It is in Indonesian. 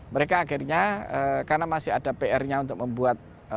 mereka akhirnya karena masih ada pr nya untuk membuat